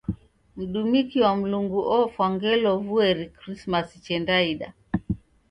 Mdumiki wa Mlungu ofwa ngelo vueri Krismasi chendaida.